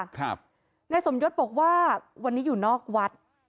นายสมยศบอกว่าวันนี้อยู่นอกวัด